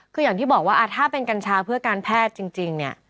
คืออย่างที่บอกว่าถ้าเป็นกัญชาเพื่อการแพทย์จริงเนี่ย